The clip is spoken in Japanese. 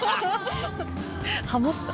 ハモった。